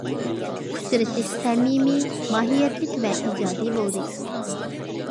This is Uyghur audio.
ئۇچرىشىش سەمىمىي، ماھىيەتلىك ۋە ئىجادىي بولدى.